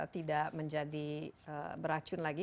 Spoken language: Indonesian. tidak menjadi beracun lagi